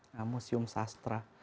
nah museum sastra